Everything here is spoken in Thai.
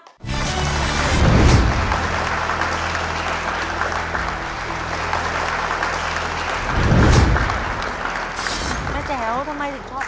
ขอเชิญแม่แจ๋วมาต่อชีวิตเป็นคนต่อไปครับ